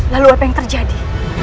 lalu apa yang terjadi